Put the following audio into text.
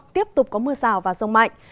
tiếp tục có mưa rào và rông mạnh